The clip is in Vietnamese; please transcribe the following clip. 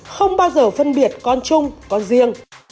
không bao giờ phân biệt con chung con riêng